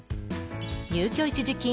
入居一時金